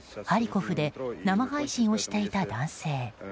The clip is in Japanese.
ハリコフで生配信をしていた男性。